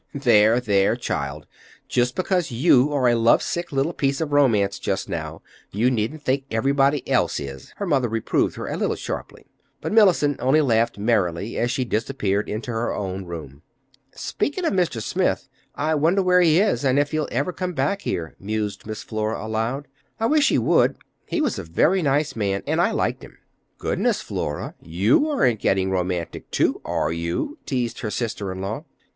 "There, there, child, just because you are a love sick little piece of romance just now, you needn't think everybody else is," her mother reproved her a little sharply. But Mellicent only laughed merrily as she disappeared into her own room. "Speaking of Mr. Smith, I wonder where he is, and if he'll ever come back here," mused Miss Flora, aloud. "I wish he would. He was a very nice man, and I liked him." "Goodness, Flora, you aren't, getting romantic, too, are you?" teased her sister in law.